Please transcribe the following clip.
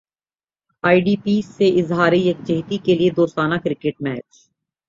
ائی D Ps سے اظہار یک جہتی کیلئے دوستانہ کرکٹ میچ